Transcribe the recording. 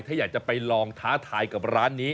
ถ้าอยากจะไปลองท้าทายกับร้านนี้